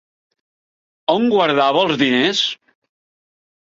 On guardava els diners?